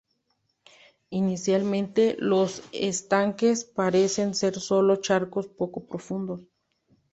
Inicialmente, los estanques parecen ser sólo charcos poco profundos.